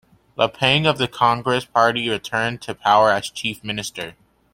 Lapang of the Congress Party returned to power as chief minister.